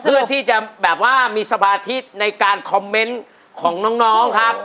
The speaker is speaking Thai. เพื่อที่จะแบบว่ามีสมาธิในการคอมเมนต์ของน้องครับ